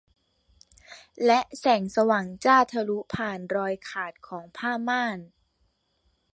และแสงสว่างจ้าทะลุผ่านรอยขาดของผ้าม่าน